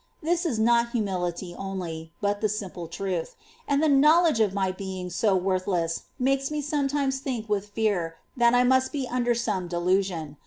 This is not humility only, but the simple truth; and the knowledge of my being so worthless makes me sometimes think with fear that I must be under some delusion.